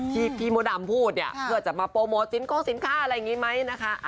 ที่พี่มดดำพูดเนี่ยเพื่อจะมาโปรโมทสินคงสินค้าอะไรอย่างนี้ไหมนะคะ